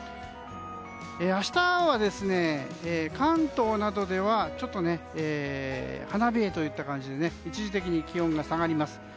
明日は、関東などではちょっと花冷えといった感じで一時的に気温が下がります。